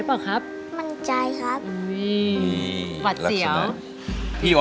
ร้องได้เห็นแม่มีสุขใจ